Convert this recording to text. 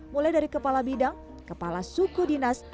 mulai dari kepala bidang kepala suku dinas